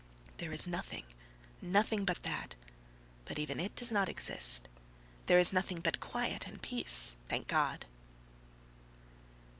There is nothing, nothing, but that. But even it does not exist, there is nothing but quiet and peace. Thank God!..."